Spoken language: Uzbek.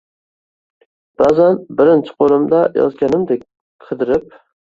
ba’zan birinchi bo’limda yozganimdek qidirib